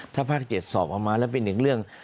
ถ้าภาค๗สอบออกมาแล้วเป็นอีกเรื่อง